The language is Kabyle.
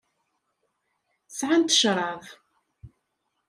Sɛant ccṛab.